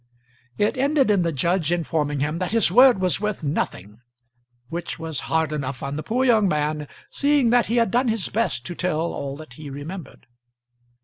It ended in the judge informing him that his word was worth nothing, which was hard enough on the poor young man, seeing that he had done his best to tell all that he remembered.